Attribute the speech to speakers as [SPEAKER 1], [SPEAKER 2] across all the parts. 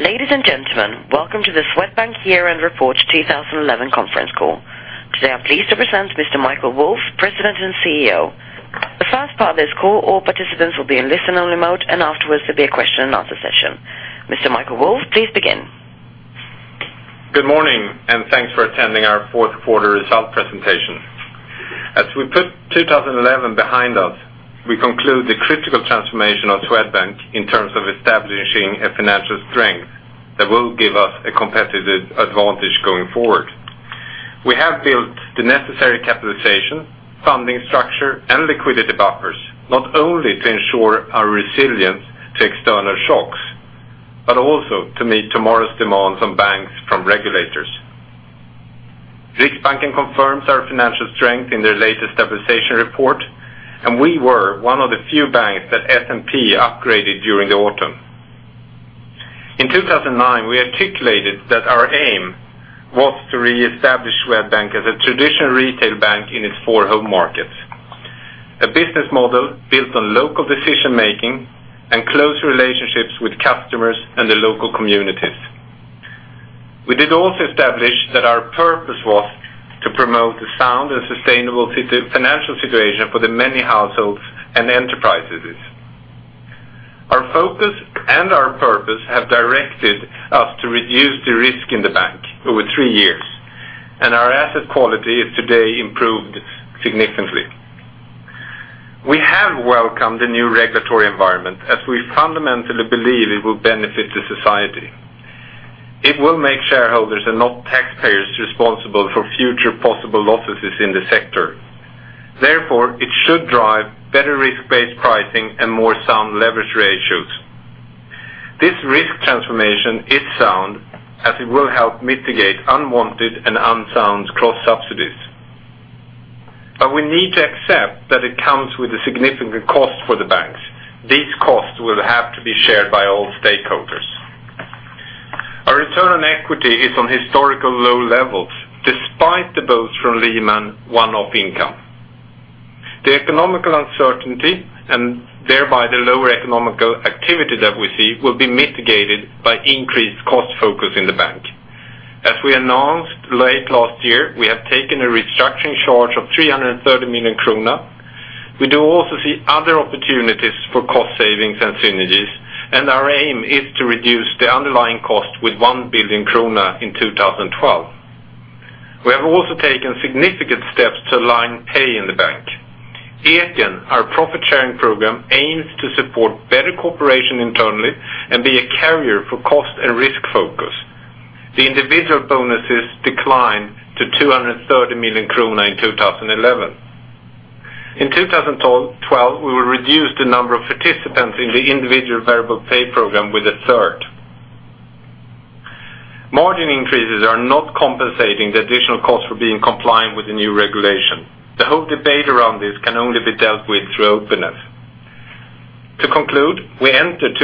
[SPEAKER 1] Ladies and gentlemen, welcome to the Swedbank Year-End Report 2011 conference call. We are pleased to present Mr. Michael Wolf, President and CEO. The first part of this call, all participants will be in listen-only mode, and afterwards, there'll be a question and answer session. Mr. Michael Wolf, please begin.
[SPEAKER 2] Good morning, and thanks for attending our fourth quarter results presentation. As we put 2011 behind us, we conclude the critical transformation of Swedbank in terms of establishing a financial strength that will give us a competitive advantage going forward. We have built the necessary capitalization, funding structure, and liquidity buffers, not only to ensure our resilience to external shocks, but also to meet tomorrow's demands on banks from regulators. Riksbank confirms our financial strength in their latest stability report, and we were one of the few banks that S&P upgraded during the autumn. In 2009, we articulated that our aim was to reestablish Swedbank as a traditional retail bank in its four home markets. A business model built on local decision making and close relationships with customers and the local communities. We did also establish that our purpose was to promote the sound and sustainable financial situation for the many households and enterprises. Our focus and our purpose have directed us to reduce the risk in the bank over three years, and our asset quality is today improved significantly. We have welcomed the new regulatory environment as we fundamentally believe it will benefit the society. It will make shareholders and not taxpayers responsible for future possible losses in the sector. Therefore, it should drive better risk-based pricing and more sound leverage ratios. This risk transformation is sound as it will help mitigate unwanted and unsound cross-subsidies. But we need to accept that it comes with a significant cost for the banks. These costs will have to be shared by all stakeholders. Our return on equity is on historical low levels, despite the boost from Lehman one-off income. The economic uncertainty, and thereby the lower economic activity that we see, will be mitigated by increased cost focus in the bank. As we announced late last year, we have taken a restructuring charge of 330 million kronor. We do also see other opportunities for cost savings and synergies, and our aim is to reduce the underlying cost with 1 billion kronor in 2012. We have also taken significant steps to align pay in the bank. Eken, our profit sharing program, aims to support better cooperation internally and be a carrier for cost and risk focus. The individual bonuses declined to 230 million krona in 2011. In 2012, we will reduce the number of participants in the individual variable pay program with a third. Margin increases are not compensating the additional cost for being compliant with the new regulation. The whole debate around this can only be dealt with through openness. To conclude, we enter 2012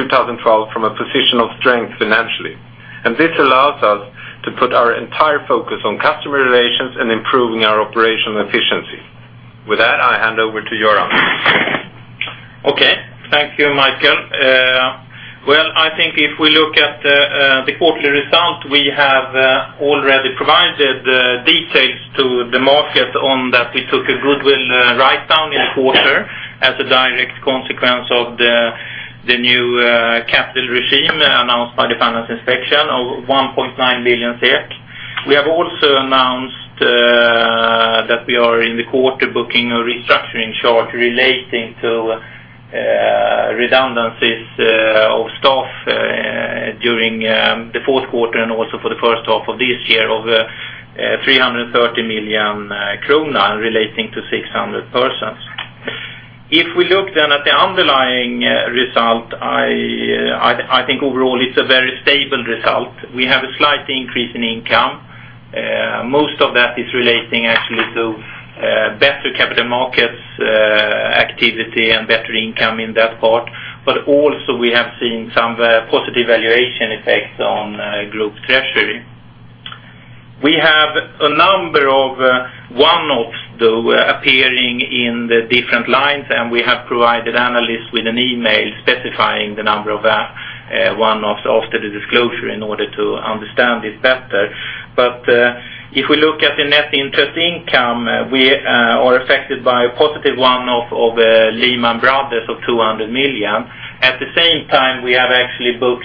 [SPEAKER 2] from a position of strength financially, and this allows us to put our entire focus on customer relations and improving our operational efficiency. With that, I hand over to Göran.
[SPEAKER 3] Okay, thank you, Michael. Well, I think if we look at the quarterly results, we have already provided the details to the market on that we took a goodwill write down in the quarter as a direct consequence of the new capital regime announced by the Financial Inspection of 1.9 billion SEK. We have also announced that we are in the quarter booking a restructuring charge relating to redundancies of staff during the fourth quarter and also for the first half of this year over 330 million kronor, relating to 600 persons. If we look then at the underlying result, I think overall, it's a very stable result. We have a slight increase in income. Most of that is relating actually to better capital markets activity and better income in that part, but also we have seen some positive valuation effects on group treasury. We have a number of one-offs, though, appearing in the different lines, and we have provided analysts with an email specifying the number of one-offs after the disclosure in order to understand this better. But if we look at the net interest income, we are affected by a positive one-off of Lehman Brothers of 200 million. At the same time, we have actually booked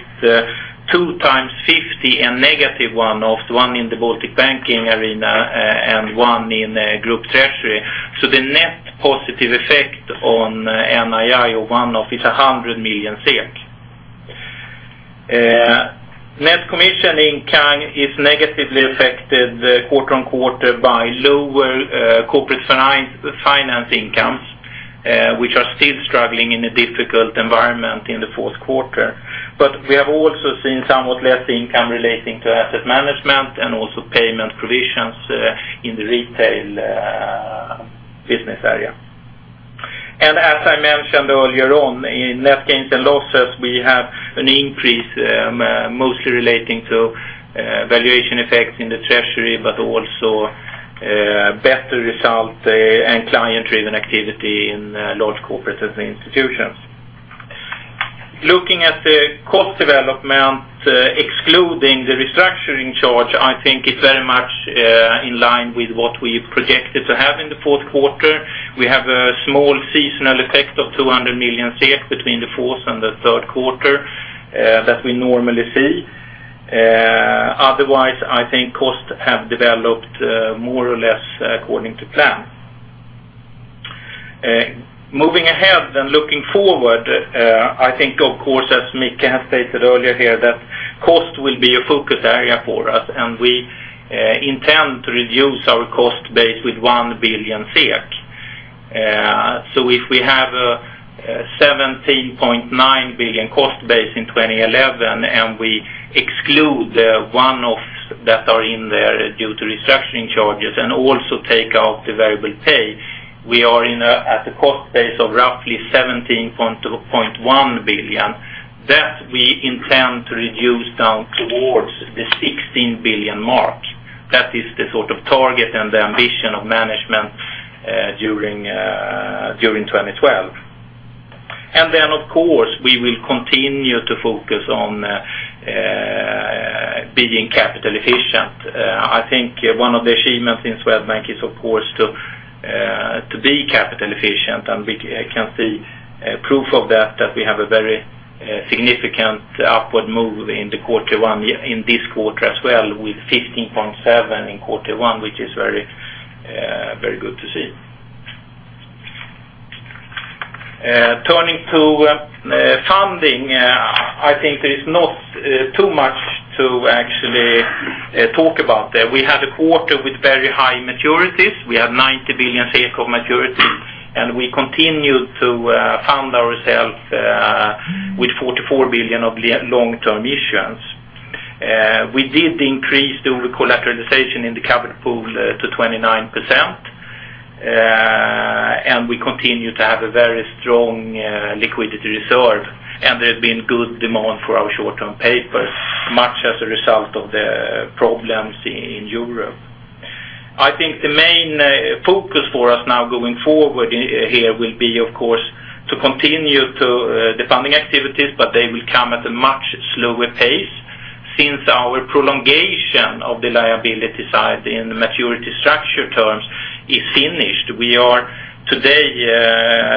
[SPEAKER 3] two times 50 and negative one-offs, one in the Baltic banking arena, and one in group treasury. So the net positive effect on NII or one-off is 100 million SEK. Net commission income is negatively affected quarter-over-quarter by lower corporate finance finance incomes, which are still struggling in a difficult environment in the fourth quarter. But we have also seen somewhat less income relating to asset management and also payment provisions in the retail business area. And as I mentioned earlier on, in net gains and losses, we have an increase, mostly relating to valuation effects in the treasury, but also better results and client-driven activity in Large Corporates and Institutions. Looking at the cost development, excluding the restructuring charge, I think it's very much in line with what we projected to have in the fourth quarter. We have a small seasonal effect of 200 million SEK between the fourth and the third quarter that we normally see. Otherwise, I think costs have developed more or less according to plan. Moving ahead and looking forward, I think, of course, as Michael has stated earlier here, that cost will be a focus area for us, and we intend to reduce our cost base with 1 billion SEK. So if we have a 17.9 billion cost base in 2011, and we exclude the one-offs that are in there due to restructuring charges and also take out the variable pay, we are at the cost base of roughly 17.1 billion, that we intend to reduce down towards the 16 billion mark. That is the sort of target and the ambition of management during 2012. And then, of course, we will continue to focus on being capital efficient. I think one of the achievements in Swedbank is, of course, to be capital efficient, and we can see proof of that, that we have a very significant upward move in quarter one, in this quarter as well, with 15.7 in quarter one, which is very good to see. Turning to funding, I think there is not too much to actually talk about there. We had a quarter with very high maturities. We have 90 billion SEK of maturities, and we continued to fund ourselves with 44 billion of long-term issuance. We did increase the collateralization in the covered pool to 29%, and we continue to have a very strong liquidity reserve, and there's been good demand for our short-term paper, much as a result of the problems in Europe. I think the main focus for us now going forward here will be, of course, to continue to the funding activities, but they will come at a much slower pace since our prolongation of the liability side in the maturity structure terms is finished. We are today;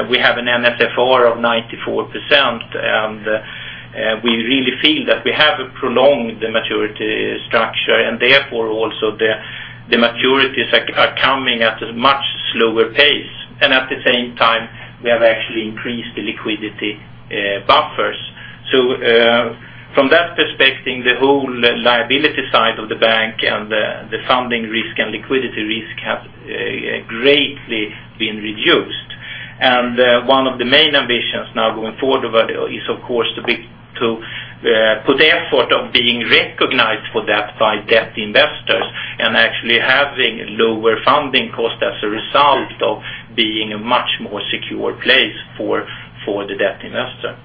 [SPEAKER 3] we have an NSFR of 94%, and we really feel that we have prolonged the maturity structure and therefore also the maturities are coming at a much slower pace. And at the same time, we have actually increased the liquidity buffers. So, from that perspective, the whole liability side of the bank and the funding risk and liquidity risk have greatly been reduced. One of the main ambitions now going forward is, of course, to be, to, put the effort of being recognized for that by debt investors and actually having lower funding cost as a result of being a much more secure place for, for the debt investor.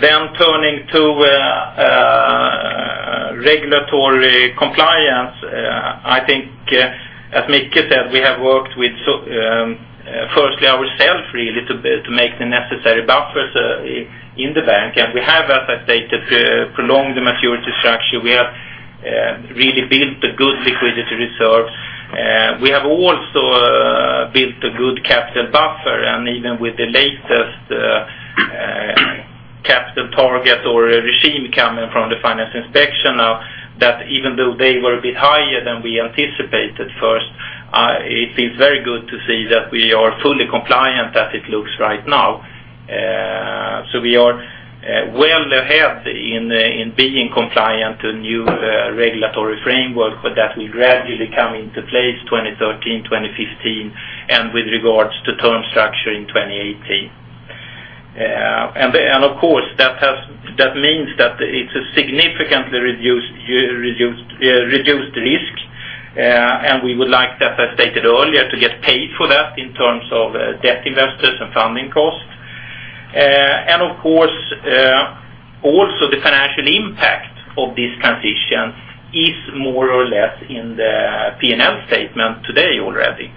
[SPEAKER 3] Then turning to regulatory compliance, I think, as Michael said, we have worked with so, firstly ourselves, really, to, to make the necessary buffers in the bank, and we have, as I stated, prolonged the maturity structure. We have really built a good liquidity reserve. We have also built a good capital buffer, and even with the latest capital target or a regime coming from the Financial Inspection now, that even though they were a bit higher than we anticipated first, it is very good to see that we are fully compliant as it looks right now. So we are well ahead in being compliant to a new regulatory framework, but that will gradually come into place 2013, 2015, and with regards to term structure in 2018. And then, of course, that means that it's a significantly reduced risk, and we would like, as I stated earlier, to get paid for that in terms of debt investors and funding costs. And of course, also the financial impact of this transition is more or less in the P&L statement today already.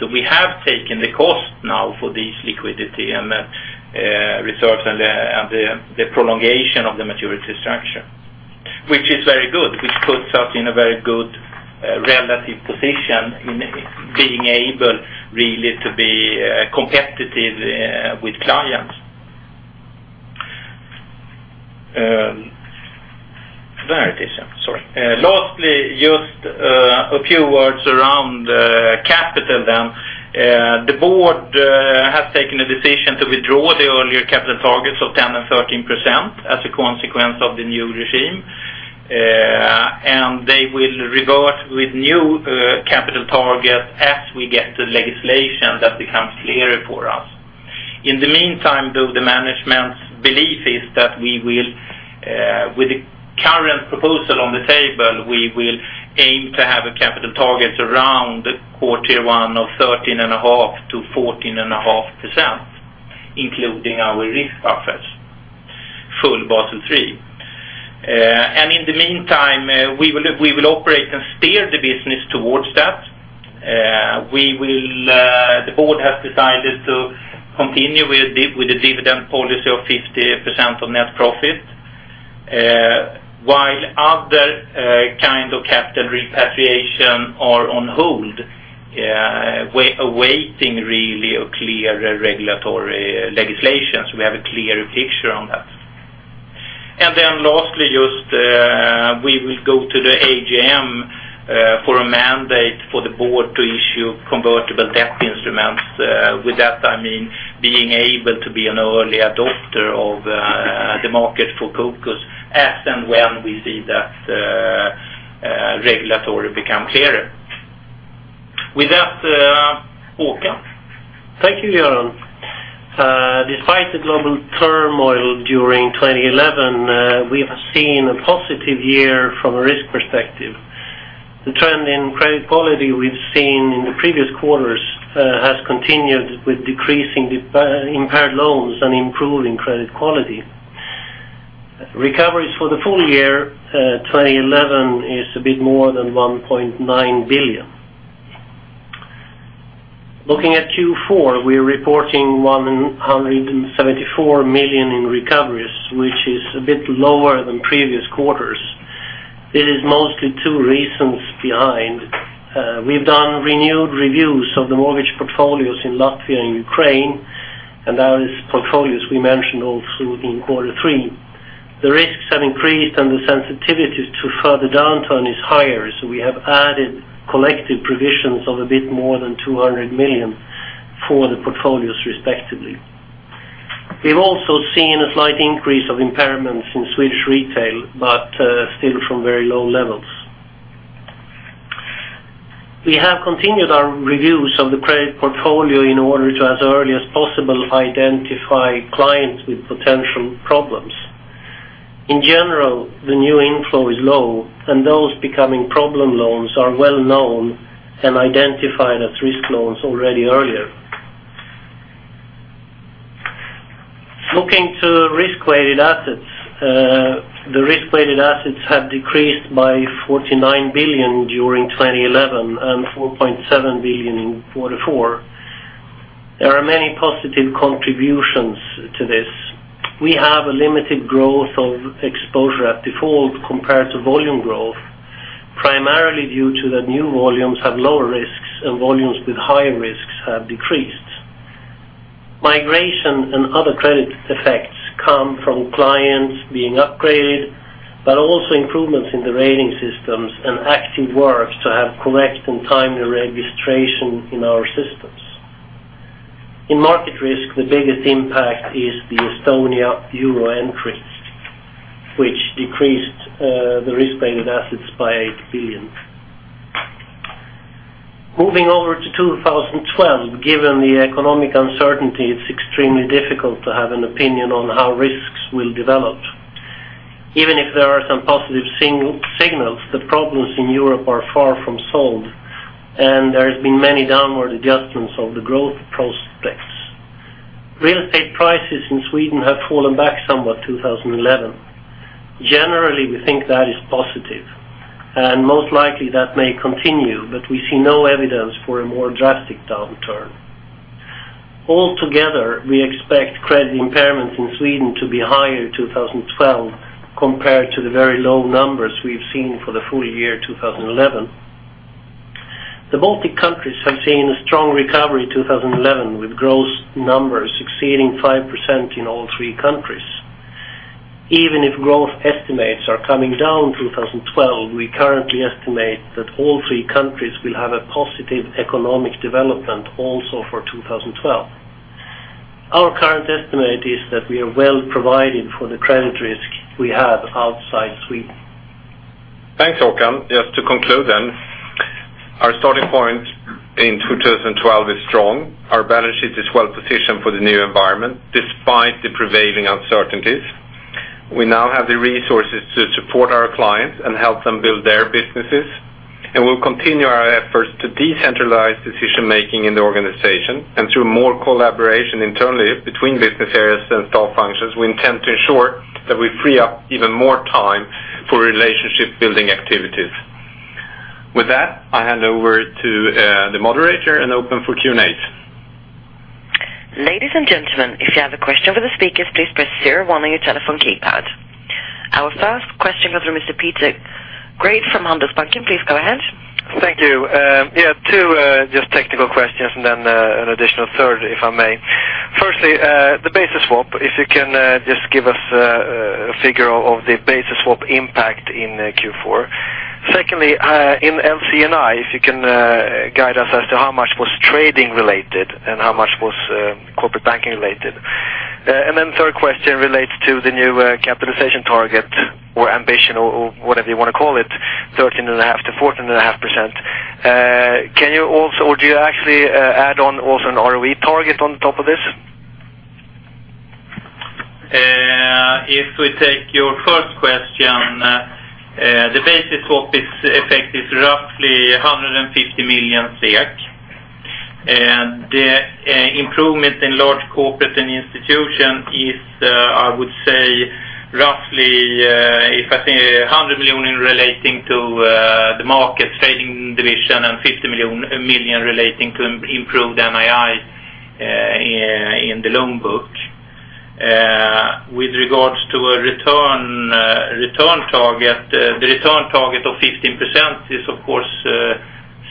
[SPEAKER 3] So we have taken the cost now for this liquidity and research and the prolongation of the maturity structure, which is very good, which puts us in a very good relative position in being able really to be competitive with clients. There it is, yeah, sorry. Lastly, just a few words around capital then. The board has taken a decision to withdraw the earlier capital targets of 10% and 13% as a consequence of the new regime, and they will revert with new capital target as we get the legislation that becomes clearer for us. In the meantime, though, the management's belief is that we will, with the current proposal on the table, we will aim to have a capital target around quarter one of 13.5%-14.5%, including our risk buffers, full Basel III. In the meantime, we will operate and steer the business towards that. The board has decided to continue with the dividend policy of 50% of net profit. While other kinds of capital repatriation are on hold, awaiting really a clear regulatory legislation, so we have a clear picture on that. Then lastly, we will go to the AGM for a mandate for the board to issue convertible debt instruments. With that, I mean, being able to be an early adopter of the market for CoCos as and when we see that regulatory become clearer. With that, Håkan.
[SPEAKER 4] Thank you, Göran. Despite the global turmoil during 2011, we have seen a positive year from a risk perspective. The trend in credit quality we've seen in the previous quarters has continued with decreasing the impaired loans and improving credit quality. Recoveries for the full year 2011 is a bit more than 1.9 billion. Looking at Q4, we're reporting 174 million in recoveries, which is a bit lower than previous quarters. It is mostly two reasons behind. We've done renewed reviews of the mortgage portfolios in Latvia and Ukraine, and that is portfolios we mentioned also in quarter three. The risks have increased, and the sensitivities to further downturn is higher, so we have added collective provisions of a bit more than 200 million for the portfolios, respectively. We've also seen a slight increase of impairments in Swedish retail, but, still from very low levels. We have continued our reviews of the credit portfolio in order to, as early as possible, identify clients with potential problems. In general, the new inflow is low, and those becoming problem loans are well known and identified as risk loans already earlier. Looking to risk-weighted assets, the risk-weighted assets have decreased by 49 billion during 2011 and 4.7 billion in quarter four. There are many positive contributions to this. We have a limited growth of exposure at default compared to volume growth, primarily due to the new volumes have lower risks, and volumes with higher risks have decreased. Migration and other credit effects come from clients being upgraded, but also improvements in the rating systems and active work to have correct and timely registration in our systems. In market risk, the biggest impact is the Estonia euro entry, which decreased the risk-weighted assets by 8 billion. Moving over to 2012, given the economic uncertainty, it's extremely difficult to have an opinion on how risks will develop. Even if there are some positive signals, the problems in Europe are far from solved, and there has been many downward adjustments of the growth prospects. Real estate prices in Sweden have fallen back somewhat, 2011. Generally, we think that is positive, and most likely that may continue, but we see no evidence for a more drastic downturn. Altogether, we expect credit impairment in Sweden to be higher in 2012 compared to the very low numbers we've seen for the full year, 2011. The Baltic countries have seen a strong recovery 2011, with growth numbers exceeding 5% in all three countries. Even if growth estimates are coming down 2012, we currently estimate that all three countries will have a positive economic development also for 2012. Our current estimate is that we are well provided for the credit risk we have outside Sweden.
[SPEAKER 2] Thanks, Håkan. Just to conclude then, our starting point in 2012 is strong. Our balance sheet is well positioned for the new environment, despite the prevailing uncertainties. We now have the resources to support our clients and help them build their businesses, and we'll continue our efforts to decentralize decision-making in the organization, and through more collaboration internally between business areas and staff functions, we intend to ensure that we free up even more time for relationship building activities. With that, I hand over to the moderator and open for Q&A.
[SPEAKER 1] Ladies and gentlemen, if you have a question for the speakers, please press zero one on your telephone keypad. Our first question comes from Mr. Peter Grabe from Handelsbanken. Please go ahead.
[SPEAKER 5] Thank you. Yeah, two just technical questions and then an additional third, if I may. Firstly, the basis swap, if you can just give us a figure of the basis swap impact in Q4. Secondly, in LC&I, if you can guide us as to how much was trading related and how much was corporate banking related. And then third question relates to the new capitalization target or ambition or whatever you wanna call it, 13.5%-14.5%. Can you also or do you actually add on also an ROE target on top of this?
[SPEAKER 3] If we take your first question... The basis of its effect is roughly SEK 150 million. Improvement in large corporate and institution is, I would say, roughly, if I say 100 million relating to the market trading division and 50 million relating to improved NII in the loan book. With regards to a return return target, the return target of 15% is, of course,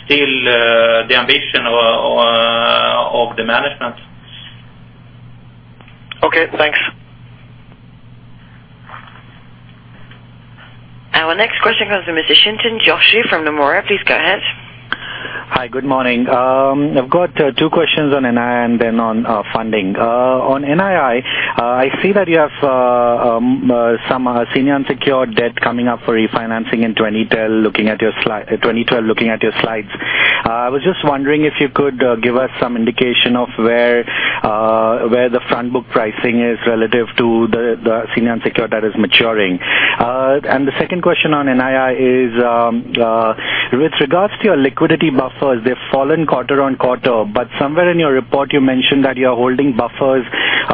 [SPEAKER 3] still the ambition of the management.
[SPEAKER 5] Okay, thanks.
[SPEAKER 1] Our next question comes from Mr. Chintan Joshi from Nomura. Please go ahead.
[SPEAKER 6] Hi, good morning. I've got two questions on NII, and then on funding. On NII, I see that you have some senior unsecured debt coming up for refinancing in 2012, looking at your slide, 2012, looking at your slides. I was just wondering if you could give us some indication of where the front book pricing is relative to the senior unsecured that is maturing. And the second question on NII is, with regards to your liquidity buffers, they've fallen quarter-over-quarter, but somewhere in your report, you mentioned that you are holding buffers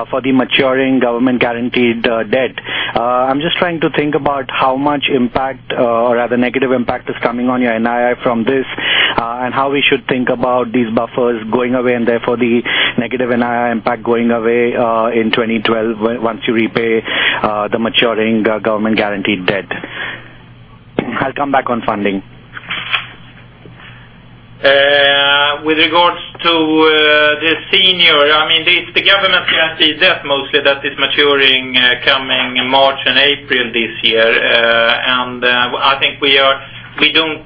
[SPEAKER 6] for the maturing government guaranteed debt. I'm just trying to think about how much impact, or rather, negative impact is coming on your NII from this, and how we should think about these buffers going away, and therefore, the negative NII impact going away, in 2012, once you repay the maturing government guaranteed debt. I'll come back on funding.
[SPEAKER 3] With regards to, the senior, I mean, the, the government guaranteed debt, mostly that is maturing, coming in March and April this year. And, I think we are-- we don't,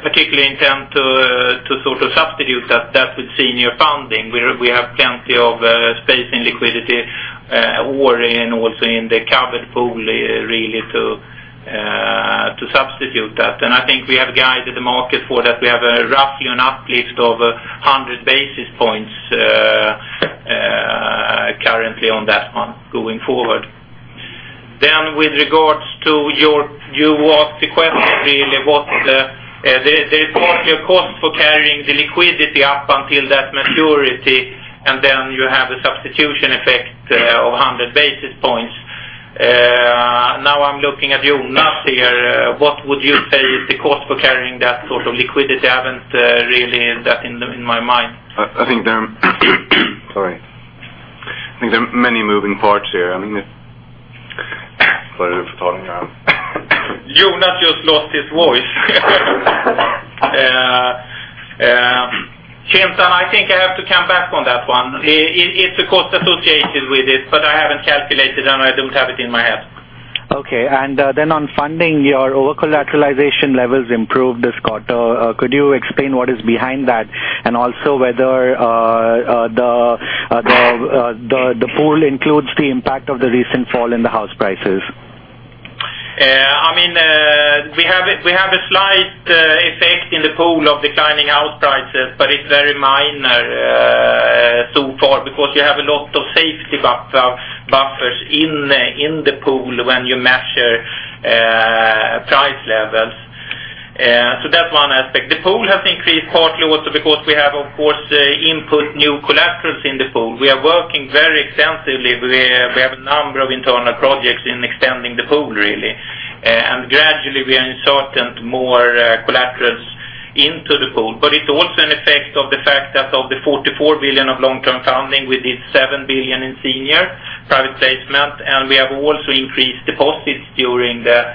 [SPEAKER 3] particularly intend to, to sort of substitute that, that with senior funding. We're, we have plenty of, space and liquidity, or in also in the covered pool, really to, to substitute that. And I think we have guided the market for that. We have a roughly an uplift of 100 basis points, currently on that one going forward. Then with regards to your... You asked the question, really, what the, the, the, what's your cost for carrying the liquidity up until that maturity, and then you have a substitution effect, of 100 basis points. Now I'm looking at Jonas here. What would you say is the cost for carrying that sort of liquidity? I haven't really that in my mind.
[SPEAKER 7] I think there are many moving parts here. I mean, sorry for talking around.
[SPEAKER 3] Jonas just lost his voice. Chintan, I think I have to come back on that one. It's a cost associated with it, but I haven't calculated it, and I don't have it in my head.
[SPEAKER 6] Okay. And, then on funding, your overcollateralization levels improved this quarter. Could you explain what is behind that, and also whether the pool includes the impact of the recent fall in the house prices?
[SPEAKER 3] I mean, we have a slight effect in the pool of declining house prices, but it's very minor so far, because you have a lot of safety buffers in the pool when you measure price levels. So that's one aspect. The pool has increased partly also because we have, of course, input new collaterals in the pool. We are working very extensively. We have a number of internal projects in extending the pool, really. And gradually, we are inserting more collaterals into the pool. But it's also an effect of the fact that of the 44 billion of long-term funding, we did 7 billion in senior private placement, and we have also increased deposits during the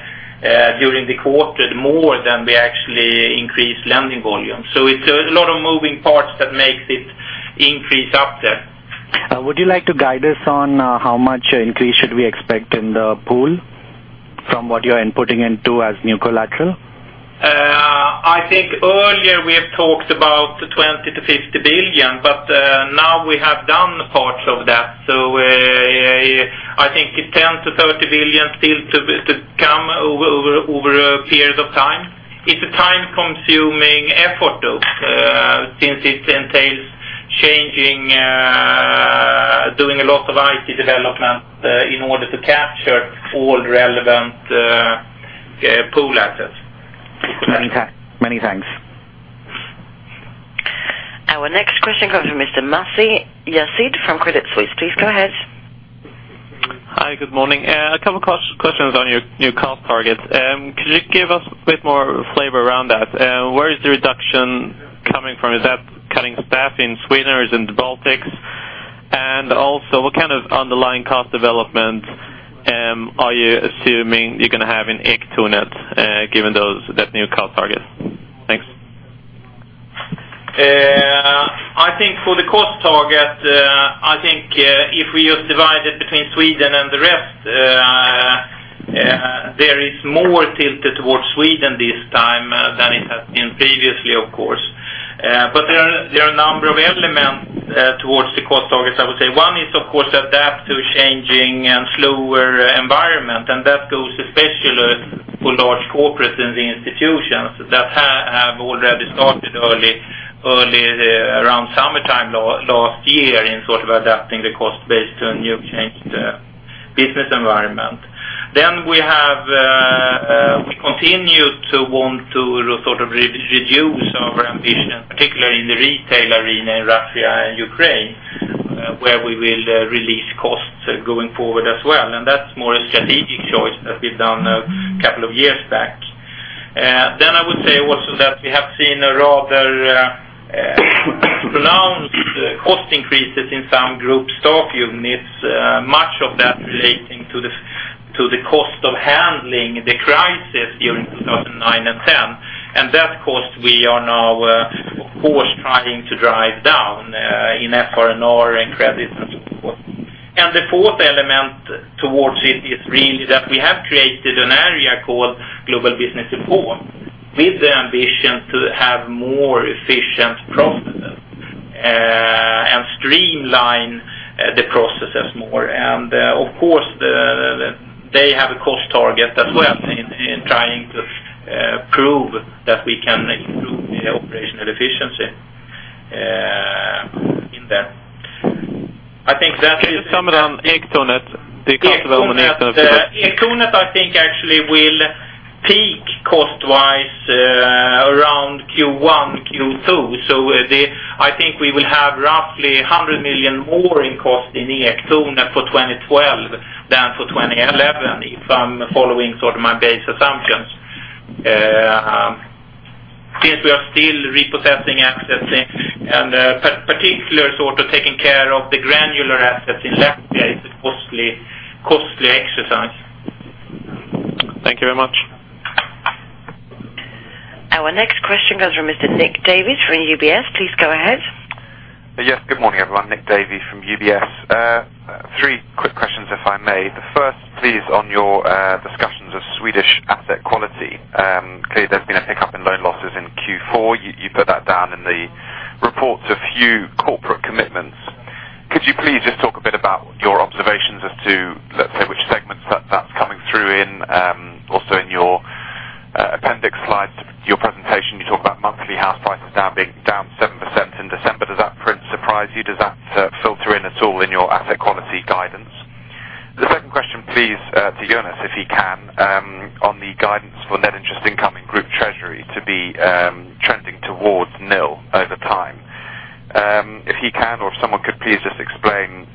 [SPEAKER 3] quarter, more than we actually increased lending volume. It's a lot of moving parts that makes it increase up there.
[SPEAKER 6] Would you like to guide us on how much increase should we expect in the pool from what you're inputting into as new collateral?
[SPEAKER 3] I think earlier we have talked about 20 to 50 billion, but now we have done parts of that. So I think it's 10 to 30 billion still to come over a period of time. It's a time-consuming effort, though, since it entails changing, doing a lot of IT development, in order to capture all relevant pool assets.
[SPEAKER 6] Many thanks. Many thanks.
[SPEAKER 1] Our next question comes from Mr. Masih Yazdi from Credit Suisse. Please go ahead.
[SPEAKER 8] Hi, good morning. A couple cost questions on your new cost targets. Could you give us a bit more flavor around that? Where is the reduction coming from? Is that cutting staff in Sweden or is in the Baltics? And also, what kind of underlying cost development are you assuming you're gonna have in Ektornet, given those, that new cost target? Thanks.
[SPEAKER 3] I think for the cost target, I think, if we just divide it between Sweden and the rest, there is more tilted towards Sweden this time, than it has been previously, of course. But there are, there are a number of elements, towards the cost targets, I would say. One is, of course, adapt to changing and slower environment, and that goes especially for large corporates and the institutions that have already started early summertime last year in sort of adapting the cost base to a new changed, business environment. Then we have, we continue to want to sort of reduce our ambition, particularly in the retail arena in Russia and Ukraine, where we will release costs going forward as well. And that's more a strategic choice that we've done a couple of years back. Then I would say also that we have seen a rather pronounced cost increases in some group stock units, much of that relating to the cost of handling the crisis during 2009 and 2010. And that cost, we are now, of course, trying to drive down in FR&R and credit and support. And the fourth element towards it is really that we have created an area called Global Business Support, with the ambition to have more efficient processes and streamline the processes more. And, of course, they have a cost target as well in trying to prove that we can improve the operational efficiency in them.
[SPEAKER 8] Can you comment on Ektornet? The customer.
[SPEAKER 3] Ektornet, I think, actually will peak cost-wise around Q1, Q2. I think we will have roughly 100 million more in cost in Ektornet for 2012 than for 2011, if I'm following sort of my base assumptions. Since we are still repossessing assets and, but particular sort of taking care of the granular assets in Latvia, it's a costly, costly exercise.
[SPEAKER 8] Thank you very much.
[SPEAKER 1] Our next question comes from Mr. Nick Davey from UBS. Please go ahead.
[SPEAKER 9] Yes, good morning, everyone. Nick Davey from UBS. Three quick questions, if I may. The first, please, on your discussions of Swedish asset quality. Clearly, there's been a pickup in loan losses in Q4. You put that down in the report to few corporate commitments. Could you please just talk a bit about your observations as to, let's say, which segments that's coming through in? Also, in your appendix slides, your presentation, you talk about monthly house prices down 7% in December. Does that surprise you? Does that filter in at all in your asset quality guidance? The second question, please, to Jonas, if he can, on the guidance for net interest income in group treasury to be trending towards nil over time. If he can, or if someone could please just explain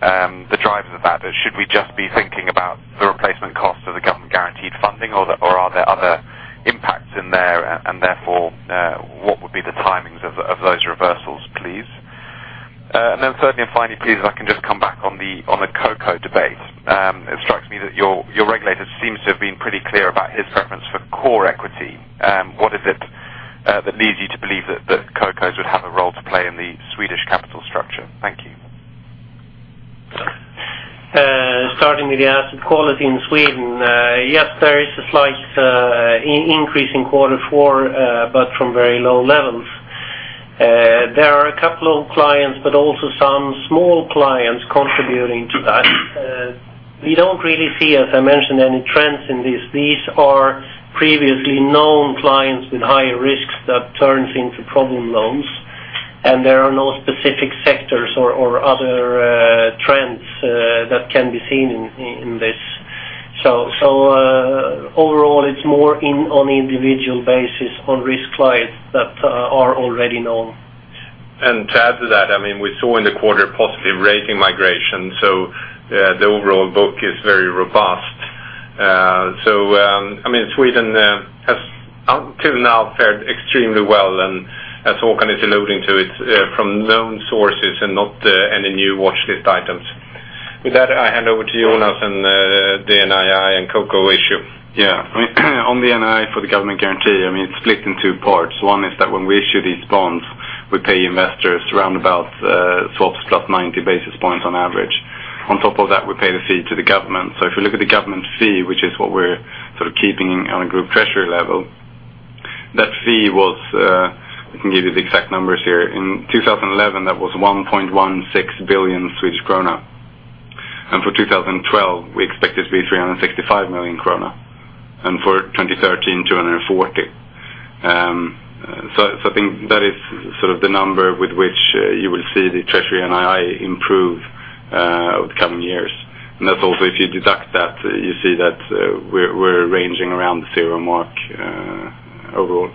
[SPEAKER 9] the drivers of that. Should we just be thinking about the replacement cost of the government-guaranteed funding, or are there other impacts in there? And therefore, what would be the timings of those reversals, please? And then certainly and finally, please, if I can just come back on the CoCo debate. It strikes me that your regulator seems to have been pretty clear about his preference for core equity. What is it that leads you to believe that CoCos would have a role to play in the Swedish capital structure? Thank you.
[SPEAKER 4] Starting with the asset quality in Sweden, yes, there is a slight increase in quarter four, but from very low levels. There are a couple of clients, but also some small clients contributing to that. We don't really see, as I mentioned, any trends in this. These are previously known clients with higher risks that turns into problem loans, and there are no specific sectors or other trends that can be seen in this. So, overall, it's more on an individual basis, on risk clients that are already known.
[SPEAKER 2] To add to that, I mean, we saw in the quarter positive rating migration, so, the overall book is very robust. So, I mean, Sweden has up till now fared extremely well, and as Håkan is alluding to it, from known sources and not any new watchlist items. With that, I hand over to you, Jonas, and the NII and CoCo issue.
[SPEAKER 7] Yeah. On the NII for the government guarantee, I mean, it's split in two parts. One is that when we issue these bonds, we pay investors around about, sort of slot 90 basis points on average. On top of that, we pay the fee to the government. So if you look at the government fee, which is what we're sort of keeping on a group treasury level, that fee was. I can give you the exact numbers here. In 2011, that was 1.16 billion Swedish krona. And for 2012, we expect it to be 365 million krona, and for 2013, 240 million. So I think that is sort of the number with which you will see the treasury NII improve over the coming years. And that's also, if you deduct that, you see that we're ranging around the zero mark overall.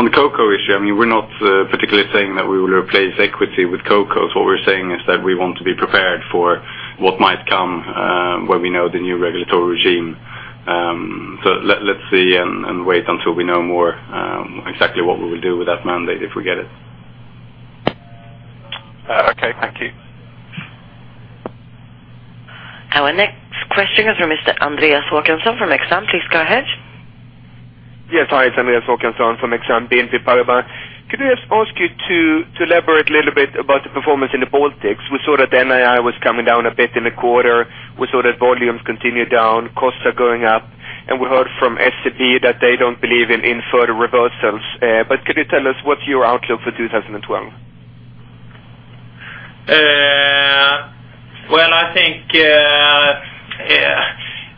[SPEAKER 7] On the CoCo issue, I mean, we're not particularly saying that we will replace equity with CoCos. What we're saying is that we want to be prepared for what might come when we know the new regulatory regime. So let's see and wait until we know more exactly what we will do with that mandate, if we get it.
[SPEAKER 9] Okay. Thank you.
[SPEAKER 1] Our next question is from Mr. Andreas Håkansson from Exane. Please go ahead.
[SPEAKER 10] Yes, hi, Andreas Håkansson from Exane BNP Paribas. Could I just ask you to elaborate a little bit about the performance in the Baltics? We saw that NII was coming down a bit in the quarter. We saw that volumes continued down, costs are going up, and we heard from SEB that they don't believe in further reversals. But could you tell us what's your outlook for 2012?
[SPEAKER 3] Well, I think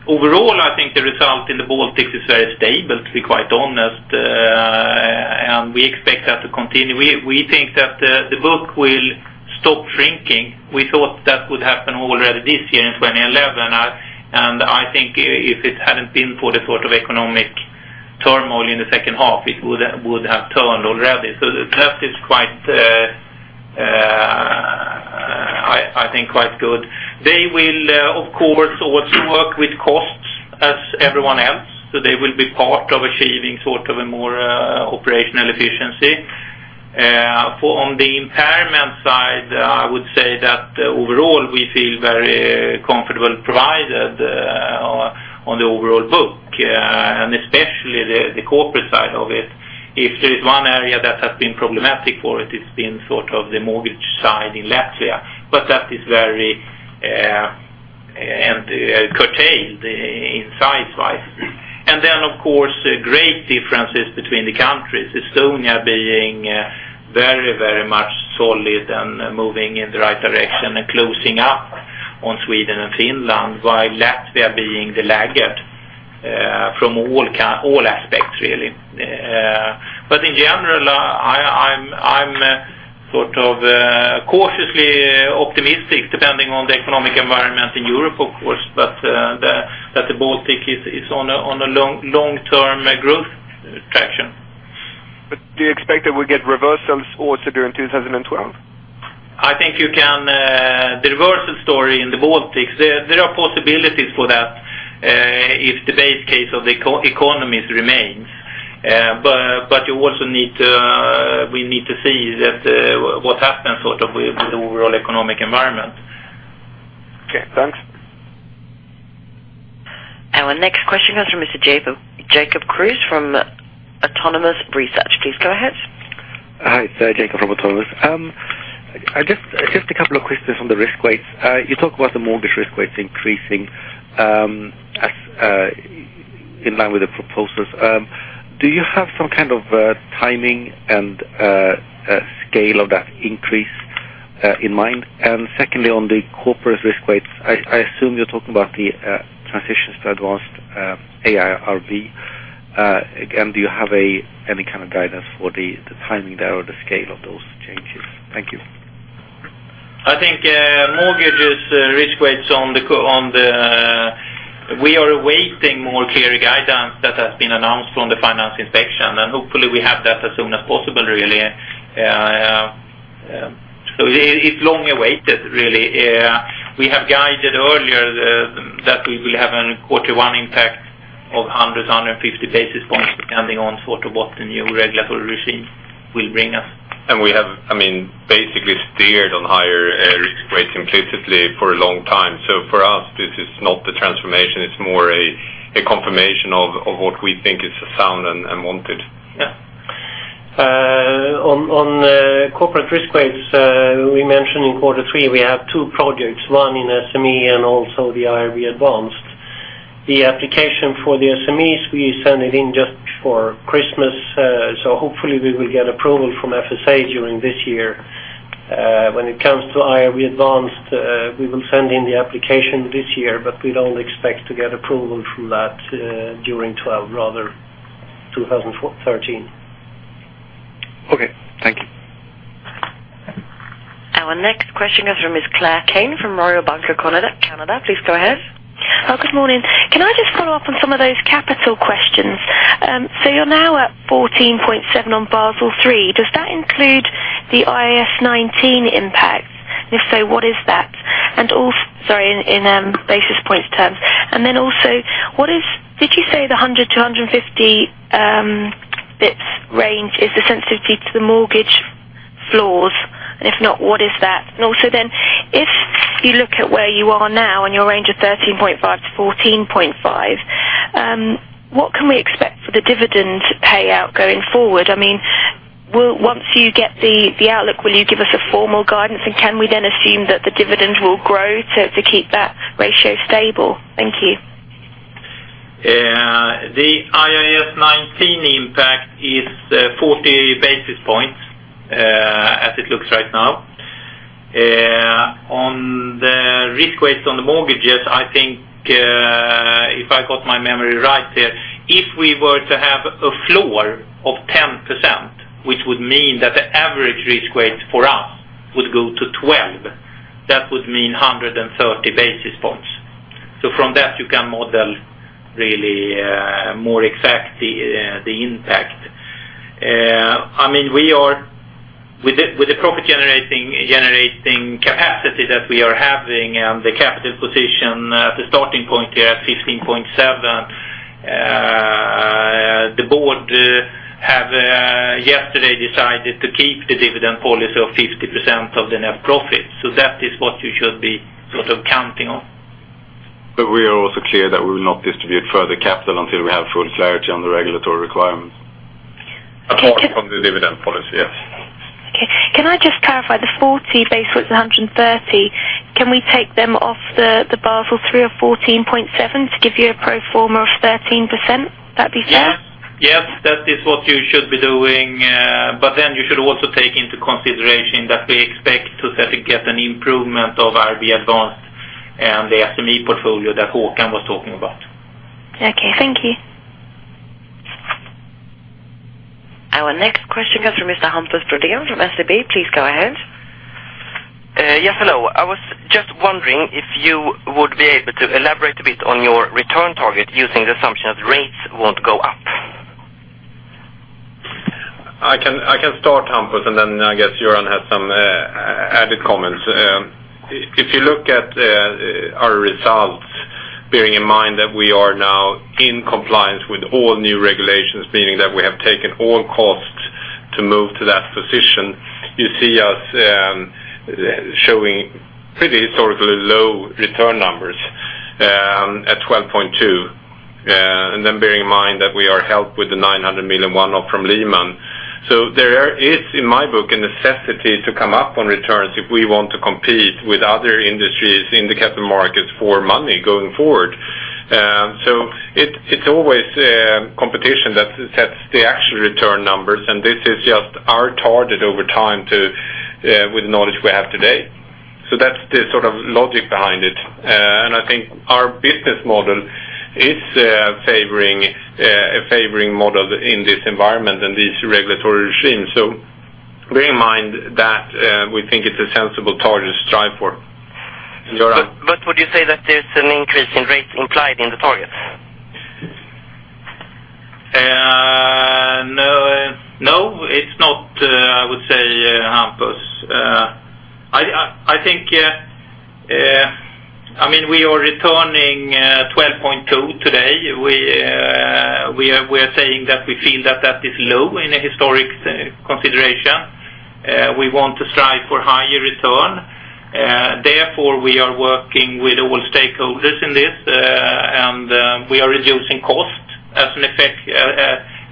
[SPEAKER 3] overall, I think the result in the Baltics is very stable, to be quite honest, and we expect that to continue. We think that the book will stop shrinking. We thought that would happen already this year in 2011, and I think if it hadn't been for the sort of economic turmoil in the second half, it would have turned already. So that is quite, I think, quite good. They will, of course, also work with costs as everyone else, so they will be part of achieving sort of a more operational efficiency. For on the impairment side, I would say that overall, we feel very comfortable, provided on the overall book, and especially the corporate side of it. If there is one area that has been problematic for it, it's been sort of the mortgage side in Latvia, but that is very and curtailed in size-wise. And then, of course, great differences between the countries. Estonia being very, very much solid and moving in the right direction and closing up on Sweden and Finland, while Latvia being the laggard from all aspects, really. But in general, I'm sort of cautiously optimistic, depending on the economic environment in Europe, of course, but that the Baltic is on a long-term growth traction.
[SPEAKER 10] But do you expect that we'll get reversals also during 2012?
[SPEAKER 3] I think you can. The reversal story in the Baltics, there are possibilities for that, if the base case of the economies remains. But you also need to, we need to see that, what happens sort of with the overall economic environment.
[SPEAKER 10] Okay, thanks.
[SPEAKER 1] Our next question comes from Mr. Jacob Kruse from Autonomous Research. Please go ahead.
[SPEAKER 11] Hi, Jacob from Autonomous. I just, just a couple of questions on the risk weights. You talk about the mortgage risk weights increasing, as in line with the proposals. Do you have some kind of timing and a scale of that increase in mind? And secondly, on the corporate risk weights, I assume you're talking about the transitions to advanced AIRB. And do you have any kind of guidance for the timing there or the scale of those changes? Thank you.
[SPEAKER 3] I think, mortgages risk weights on the co- on the, we are awaiting more clear guidance that has been announced from the Financial Inspection, and hopefully we have that as soon as possible, really. So it, it's long awaited, really. We have guided earlier the, that we will have an quarter one impact of 100 to 150 basis points, depending on sort of what the new regulatory regime will bring us.
[SPEAKER 2] We have, I mean, basically steered on higher risk weights inclusively for a long time. For us, this is not the transformation, it's more a confirmation of what we think is sound and wanted.
[SPEAKER 4] Yeah. On corporate risk weights, we mentioned in quarter three, we have two projects, one in SME and also the IRB Advanced. The application for the SMEs, we send it in just before Christmas, so hopefully we will get approval from FSA during this year. When it comes to IRB Advanced, we will send in the application this year, but we don't expect to get approval from that during 2012, rather 2013.
[SPEAKER 11] Okay. Thank you.
[SPEAKER 1] Our next question comes from Ms. Claire Kane from Royal Bank of Canada. Please go ahead.
[SPEAKER 12] Oh, good morning. Can I just follow up on some of those capital questions? So you're now at 14.7 on Basel III. Does that include the IAS 19 impact? If so, what is that in basis points terms? And then also, did you say the 100 to 150 basis points range is the sensitivity to the mortgage floors? And if not, what is that? And also then, if you look at where you are now on your range of 13.5 to 14.5, what can we expect for the dividend payout going forward? I mean, will, once you get the outlook, will you give us a formal guidance? And can we then assume that the dividends will grow to keep that ratio stable? Thank you.
[SPEAKER 3] The IAS 19 impact is 40 basis points, as it looks right now. On the risk weights on the mortgages, I think, if I got my memory right here, if we were to have a floor of 10%, which would mean that the average risk weight for us would go to 12, that would mean 130 basis points. So from that, you can model really more exact the impact. I mean, we are with the profit-generating capacity that we are having, the capital position at the starting point here at 15.7, the board have yesterday decided to keep the dividend policy of 50% of the net profit. So that is what you should be sort of counting on.
[SPEAKER 4] But we are also clear that we will not distribute further capital until we have full clarity on the regulatory requirements. Apart from the dividend policy, yes.
[SPEAKER 12] Okay. Can I just clarify, the 40 basis with the 130, can we take them off the, the Basel III or 14.7 to give you a pro forma of 13%? Would that be fair?
[SPEAKER 3] Yes. Yes, that is what you should be doing, but then you should also take into consideration that we expect an improvement of IRB advanced and the SME portfolio that Håkan was talking about.
[SPEAKER 12] Okay, thank you.
[SPEAKER 1] Our next question comes from Mr. Hampus Brodén from SEB. Please go ahead.
[SPEAKER 13] Yes, hello. I was just wondering if you would be able to elaborate a bit on your return target using the assumption that rates won't go up?
[SPEAKER 2] I can start, Hampus, and then I guess Göran has some, added comments. If you look at, our results, bearing in mind that we are now in compliance with all new regulations, meaning that we have taken all costs to move to that position, you see us, showing pretty historically low return numbers, at 12.2. And then bearing in mind that we are helped with the 900 million one-off from Lehman. So there is, in my book, a necessity to come up on returns if we want to compete with other industries in the capital markets for money going forward. So it, it's always, competition that sets the actual return numbers, and this is just our target over time to, with the knowledge we have today. So that's the sort of logic behind it. I think our business model is favoring a favoring model in this environment and this regulatory regime. So bear in mind that we think it's a sensible target to strive for. Göran?
[SPEAKER 13] Would you say that there's an increase in rates implied in the target?
[SPEAKER 3] No, no, it's not, I would say, Hampus. I think, I mean, we are returning 12.2 today. We are saying that we feel that that is low in a historic consideration. We want to strive for higher return, therefore, we are working with all stakeholders in this, and we are reducing costs as an effect,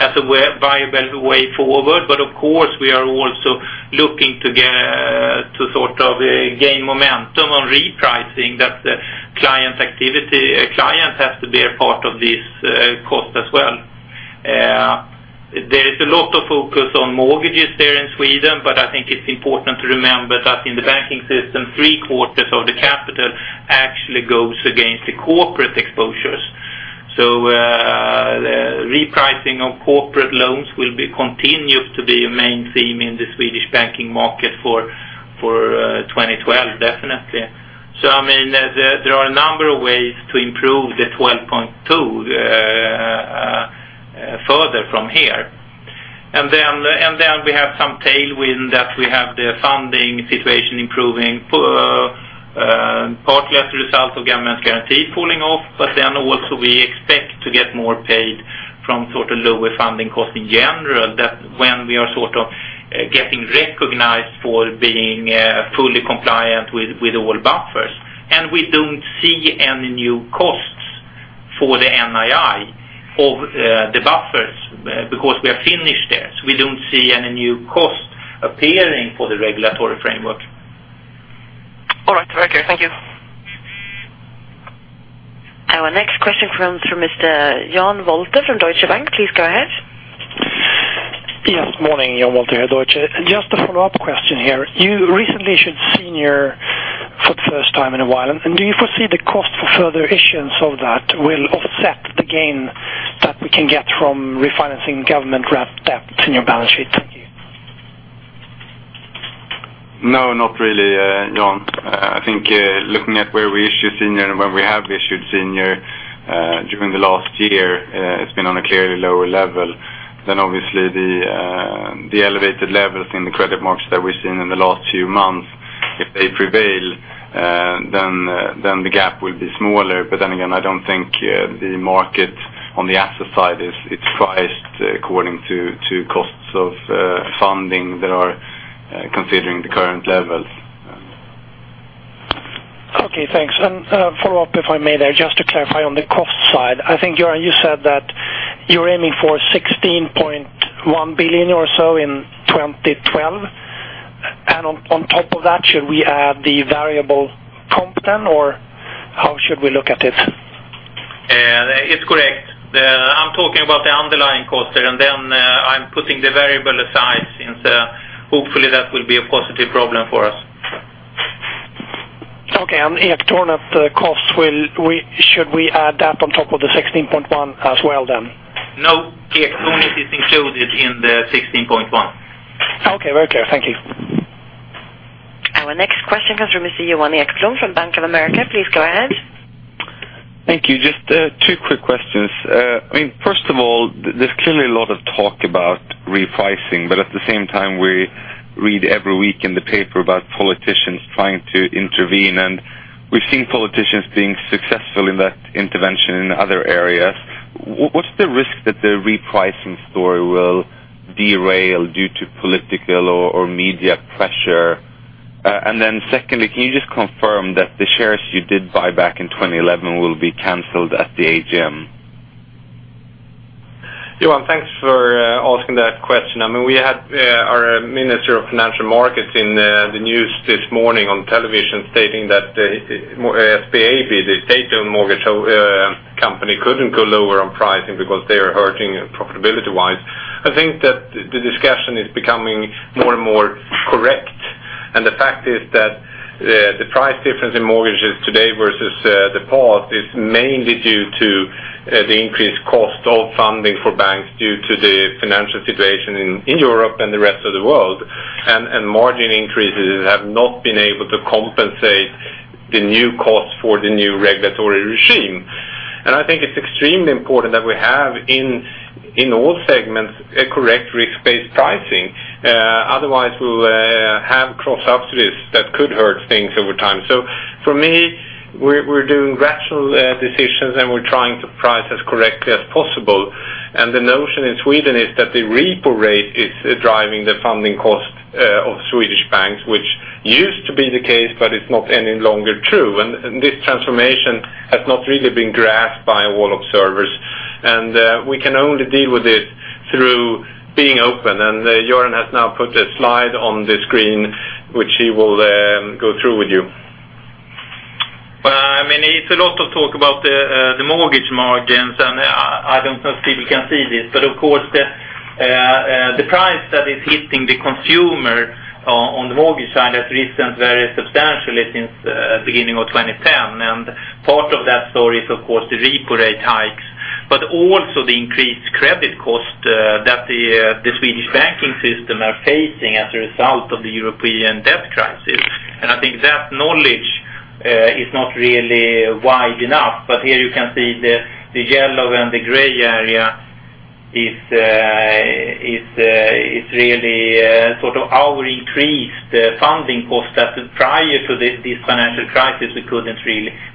[SPEAKER 3] as a way, viable way forward. But of course, we are also looking to get to sort of gain momentum on repricing that client activity. A client has to be a part of this cost as well. There is a lot of focus on mortgages there in Sweden, but I think it's important to remember that in the banking system, three quarters of the capital actually goes against the corporate exposures. So, the repricing of corporate loans will continue to be a main theme in the Swedish banking market for 2012, definitely. So, I mean, there are a number of ways to improve the 12.2 further from here. And then we have some tailwind that we have the funding situation improving, partly as a result of government guarantee falling off, but then also we expect to get more paid from sort of lower funding costs in general, that when we are sort of getting recognized for being fully compliant with all buffers. And we don't see any new costs for the NII of the buffers, because we are finished there. So we don't see any new costs appearing for the regulatory framework.
[SPEAKER 13] All right. Very clear. Thank you.
[SPEAKER 1] Our next question comes from Mr. Jan Wolter from Deutsche Bank. Please go ahead.
[SPEAKER 14] Yes, morning, Jan Wolter here, Deutsche. Just a follow-up question here. You recently issued senior for the first time in a while, and do you foresee the cost for further issuance of that will offset the gain that we can get from refinancing government-wrapped debt in your balance sheet? Thank you.
[SPEAKER 2] No, not really, Jan. I think, looking at where we issue senior and when we have issued senior, during the last year, it's been on a clearly lower level than obviously the, the elevated levels in the credit markets that we've seen in the last few months. If they prevail, then the gap will be smaller. But then again, I don't think the market on the asset side is it's priced according to, to costs of funding that are considering the current levels.
[SPEAKER 14] Okay, thanks. Follow up, if I may there, just to clarify on the cost side. I think, Göran, you said that you're aiming for 16.1 billion or so in 2012. And on top of that, should we add the variable comp then, or how should we look at it?
[SPEAKER 3] It's correct. I'm talking about the underlying costs there, and then, I'm putting the variable aside, since, hopefully, that will be a positive problem for us.
[SPEAKER 14] Okay, and the external costs, should we add that on top of the 16.1 as well, then?
[SPEAKER 3] No, the external is included in the 16.1.
[SPEAKER 14] Okay, very clear. Thank you.
[SPEAKER 1] Our next question comes from Mr. Johan Ekblom from Bank of America. Please go ahead.
[SPEAKER 15] Thank you. Just, two quick questions. I mean, first of all, there's clearly a lot of talk about repricing, but at the same time, we read every week in the paper about politicians trying to intervene, and we've seen politicians being successful in that intervention in other areas. What's the risk that the repricing story will derail due to political or media pressure? And then secondly, can you just confirm that the shares you did buy back in 2011 will be canceled at the AGM?
[SPEAKER 2] Johan, thanks for asking that question. I mean, we had our Minister of Financial Markets in the news this morning on television, stating that SBAB, the state-owned mortgage company, couldn't go lower on pricing because they are hurting profitability wise. I think that the discussion is becoming more and more correct, and the fact is that the price difference in mortgages today versus the past is mainly due to the increased cost of funding for banks due to the financial situation in Europe and the rest of the world. And margin increases have not been able to compensate the new costs for the new regulatory regime. And I think it's extremely important that we have in all segments, a correct risk-based pricing, otherwise we'll have cross-subsidies that could hurt things over time. So for me, we're doing rational decisions, and we're trying to price as correctly as possible. And the notion in Sweden is that the repo rate is driving the funding cost of Swedish banks, which used to be the case, but it's not any longer true. And this transformation has not really been grasped by all observers, and we can only deal with this through being open. And Göran has now put a slide on the screen, which he will go through with you.
[SPEAKER 3] Well, I mean, it's a lot of talk about the mortgage margins, and I don't know if people can see this, but of course, the price that is hitting the consumer on the mortgage side has risen very substantially since beginning of 2010. And part of that story is, of course, the repo rate hikes, but also the increased credit cost that the Swedish banking system are facing as a result of the European debt crisis. And I think that knowledge is not really wide enough. But here you can see the yellow and the gray area is really sort of our increased funding cost that prior to this financial crisis, we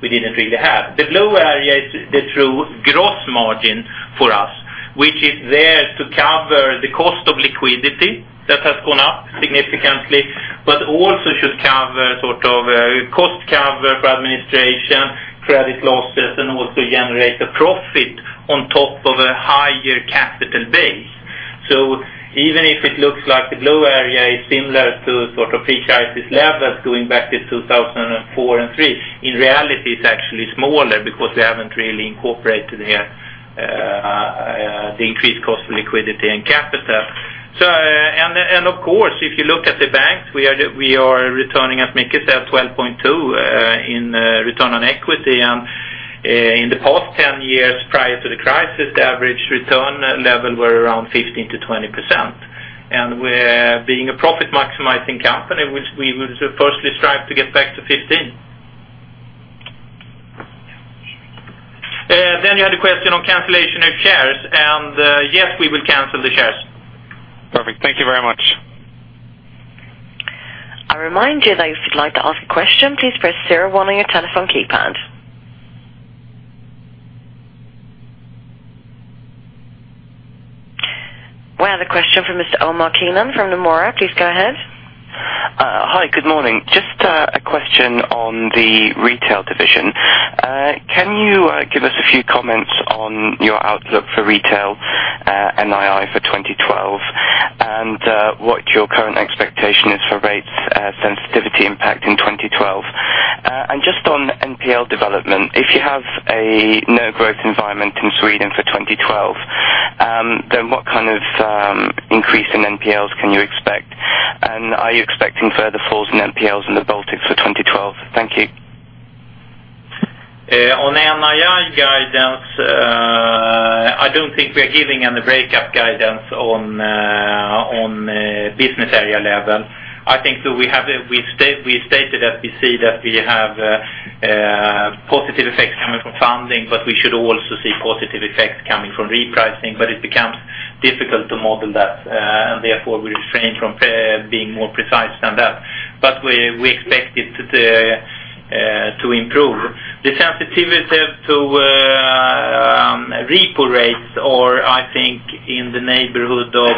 [SPEAKER 3] didn't really have. The blue area is the true gross margin for us, which is there to cover the cost of liquidity that has gone up significantly, but also should cover sort of, cost cover for administration, credit losses, and also generate a profit on top of a higher capital base. So even if it looks like the blue area is similar to sort of pre-crisis levels going back to 2004 and 2003, in reality, it's actually smaller because we haven't really incorporated here, the increased cost for liquidity and capital. So and, and of course, if you look at the banks, we are, we are returning as much as 12.2, in, return on equity. And, in the past 10 years, prior to the crisis, the average return level were around 15% to 20%. We're being a profit-maximizing company, which we would firstly strive to get back to 15. Then you had a question on cancellation of shares, and yes, we will cancel the shares.
[SPEAKER 15] Perfect. Thank you very much.
[SPEAKER 1] I remind you that if you'd like to ask a question, please press zero one on your telephone keypad. We have a question from Mr. Omar Keenan from Nomura. Please go ahead.
[SPEAKER 16] Hi, good morning. Just a question on the retail division. Can you give us a few comments on your outlook for retail NII for 2012? And what your current expectation is for rates sensitivity impact in 2012? And just on NPL development, if you have a no growth environment in Sweden for 2012, then what kind of increase in NPLs can you expect? And are you expecting further falls in NPLs in the Baltics for 2012? Thank you.
[SPEAKER 3] On NII guidance, I don't think we are giving any breakup guidance on business area level. I think that we have it. We stated that we see that we have positive effects coming from funding, but we should also see positive effects coming from repricing, but it becomes difficult to model that. And therefore, we refrain from being more precise than that. But we expect it to improve. The sensitivity to repo rates or I think in the neighborhood of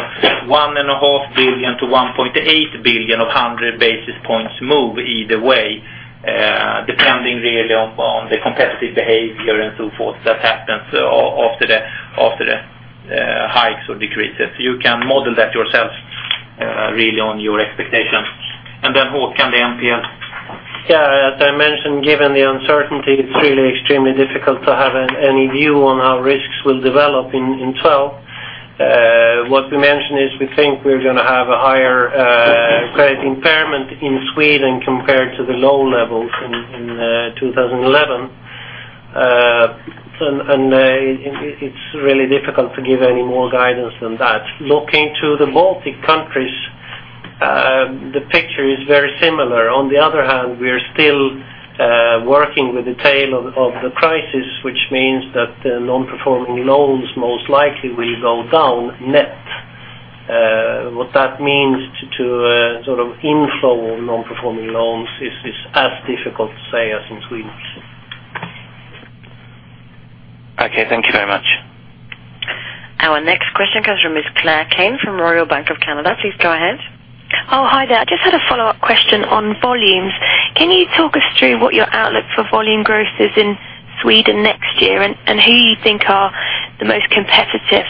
[SPEAKER 3] 1.5 billion to 1.8 billion of 100 basis points move either way, depending really on the competitive behavior and so forth, that happens after the hikes or decreases. You can model that yourselves, really on your expectations. And then what can the NPL?
[SPEAKER 4] Yeah, as I mentioned, given the uncertainty, it's really extremely difficult to have any view on how risks will develop in itself. What we mentioned is we think we're gonna have a higher credit impairment in Sweden compared to the low levels in 2011. And it is really difficult to give any more guidance than that. Looking to the Baltic countries, the picture is very similar. On the other hand, we are still working with the tail of the crisis, which means that the non-performing loans most likely will go down net. What that means to sort of inflow non-performing loans is as difficult to say as in Sweden.
[SPEAKER 16] Okay, thank you very much.
[SPEAKER 1] Our next question comes from Ms. Claire Kane from Royal Bank of Canada. Please go ahead.
[SPEAKER 12] Oh, hi there. I just had a follow-up question on volumes. Can you talk us through what your outlook for volume growth is in Sweden next year, and who you think are the most competitive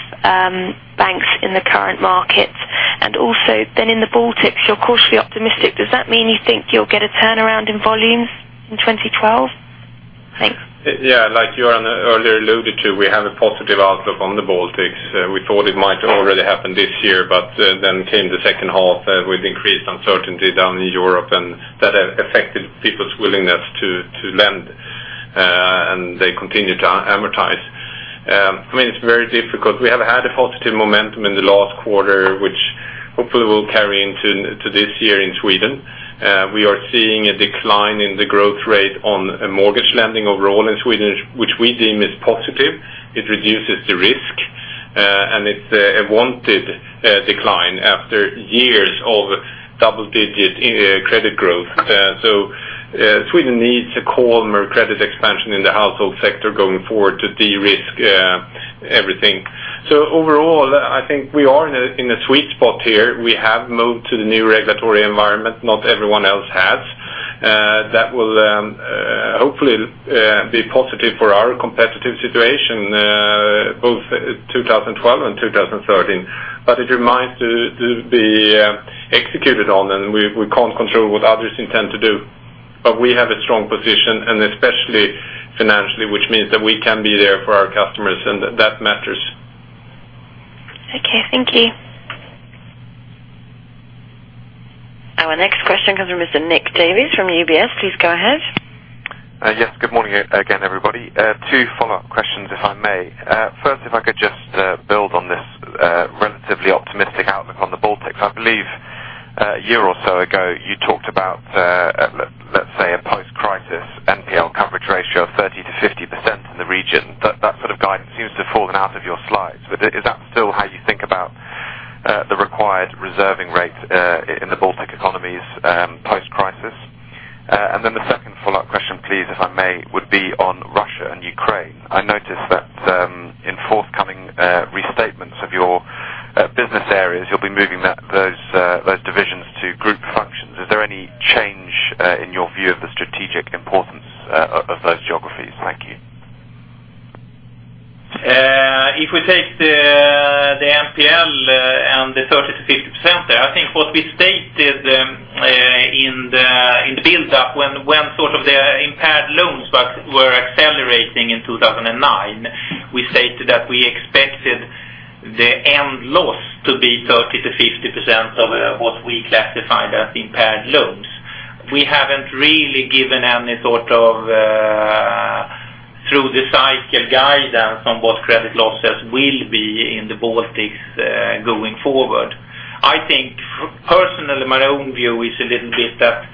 [SPEAKER 12] in the current markets, and also then in the Baltics, you're cautiously optimistic. Does that mean you think you'll get a turnaround in volumes in 2012? Thanks.
[SPEAKER 2] Yeah, like you earlier alluded to, we have a positive outlook on the Baltics. We thought it might already happen this year, but then came the second half with increased uncertainty down in Europe, and that has affected people's willingness to lend, and they continue to amortize. I mean, it's very difficult. We have had a positive momentum in the last quarter, which hopefully will carry into this year in Sweden. We are seeing a decline in the growth rate on mortgage lending overall in Sweden, which we deem is positive. It reduces the risk, and it's a wanted decline after years of double-digit credit growth. So, Sweden needs a calmer credit expansion in the household sector going forward to de-risk everything. Overall, I think we are in a sweet spot here. We have moved to the new regulatory environment, not everyone else has. That will hopefully be positive for our competitive situation, both 2012 and 2013. But it remains to be executed on, and we can't control what others intend to do. But we have a strong position, and especially financially, which means that we can be there for our customers, and that matters.
[SPEAKER 12] Okay, thank you.
[SPEAKER 1] Our next question comes from Mr. Nick Davey from UBS. Please go ahead.
[SPEAKER 9] Yes, good morning again, everybody. Two follow-up questions, if I may. First, if I could just build on this relatively optimistic outlook on the Baltics. I believe, a year or so ago, you talked about let's say, a post-crisis NPL coverage ratio of 30% to 50% in the region. That sort of guidance seems to have fallen out of your slides. But is that still how you think about the required reserving rate in the Baltic economies post-crisis? And then the second follow-up question, please, if I may, would be on Russia and Ukraine. I noticed that in forthcoming restatements of your business areas, you'll be moving those divisions to group functions. Is there any change in your view of the strategic importance of those geographies? Thank you.
[SPEAKER 3] If we take the NPL and the 30% to 50% there, I think what we stated in the build-up, when sort of the impaired loans were accelerating in 2009, we stated that we expected the end loss to be 30% to 50% of what we classified as impaired loans. We haven't really given any sort of through the cycle guidance on what credit losses will be in the Baltics going forward. I think, personally, my own view is a little bit that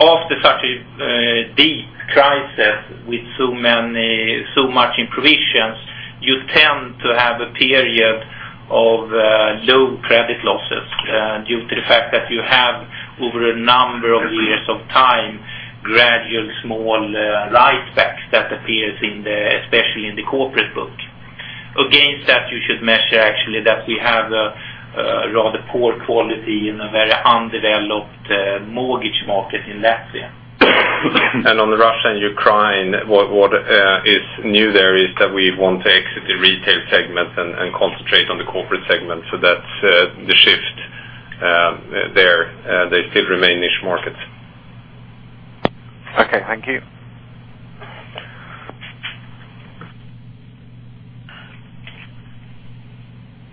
[SPEAKER 3] after such a deep crisis with so many, so much in provisions, you tend to have a period of low credit losses due to the fact that you have over a number of years of time, gradual small write-backs that appears, especially in the corporate book. Against that, you should measure actually, that we have a, rather poor quality and a very undeveloped, mortgage market in Latvia.
[SPEAKER 2] On the Russia and Ukraine, what is new there is that we want to exit the retail segment and concentrate on the corporate segment. That's the shift there. They still remain niche markets.
[SPEAKER 9] Okay, thank you.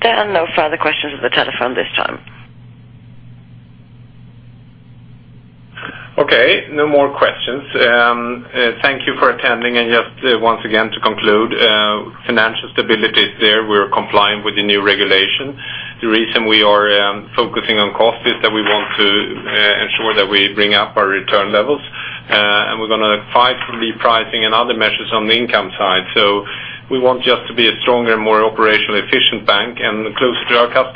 [SPEAKER 1] There are no further questions on the telephone this time.
[SPEAKER 2] Okay, no more questions. Thank you for attending, and just once again to conclude, financial stability is there. We're complying with the new regulation. The reason we are focusing on cost is that we want to ensure that we bring up our return levels, and we're gonna fight for repricing and other measures on the income side. So we want just to be a stronger, more operationally efficient bank and closer to our customers.